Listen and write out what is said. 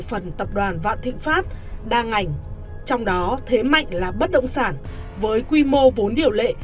phần tập đoàn vạn thịnh pháp đa ngành trong đó thế mạnh là bất động sản với quy mô vốn điều lệ